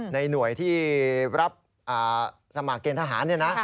ในหน่วยที่รับสมัครเกณฑ์ทหาร